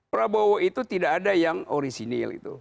prabowo itu tidak ada yang orisinil